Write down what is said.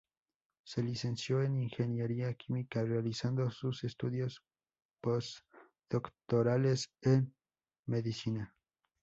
Se licenció en ingeniería Química realizando sus estudios postdoctorales en Medicina.